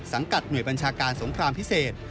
หน่วยบัญชาการสงครามพิเศษ